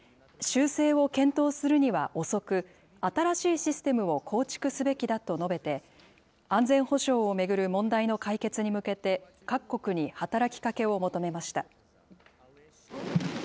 修正を検討するには遅く、新しいシステムを構築すべきだと述べて、安全保障を巡る問題の解決に向けて、各国に働きかけを求めました。